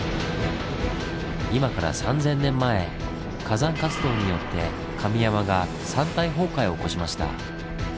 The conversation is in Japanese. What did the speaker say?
今から３０００年前火山活動によって神山が山体崩壊を起こしました。